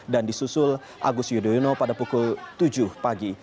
dan disusul agus yudhoyono pada pukul tujuh pagi